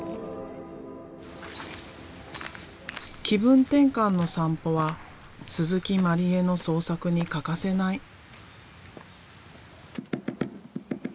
気分転換の散歩は万里絵の創作に欠かせない。